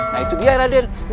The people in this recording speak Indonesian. nah itu dia raden